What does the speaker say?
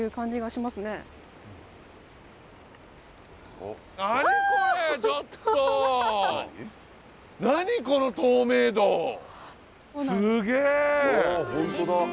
すげえ！